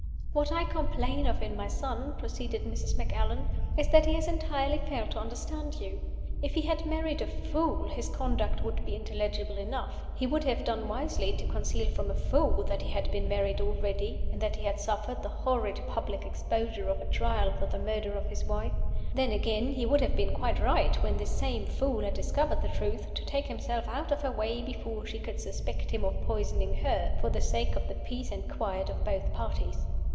"What I complain of in my son," proceeded Mrs. Macallan, "is that he has entirely failed to understand you. If he had married a fool, his conduct would be intelligible enough. He would have done wisely to conceal from a fool that he had been married already, and that he had suffered the horrid public exposure of a Trial for the murder of his wife. Then, again, he would have been quite right, when this same fool had discovered the truth, to take himself out of her way before she could suspect him of poisoning he r for the sake of the peace and quiet of both parties.